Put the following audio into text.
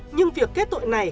nhưng việc kết tội này